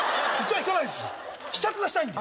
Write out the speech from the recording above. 行かないっす